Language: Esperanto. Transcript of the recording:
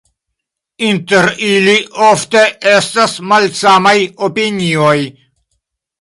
Inter ili ofte estas malsamaj opinioj.